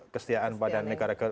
kestiaan pada negara